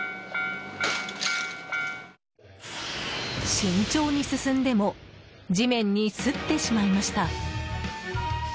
慎重に進んでも地面に擦ってしまいました。